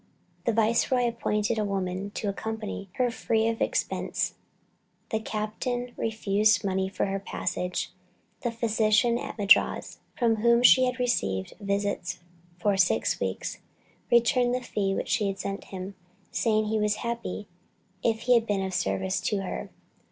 The Viceroy appointed a woman to accompany her free of expense; the captain refused money for her passage; and the physician at Madras, from whom she had received visits for six weeks, returned the fee which she sent him, saying he was happy if he had been of service to her.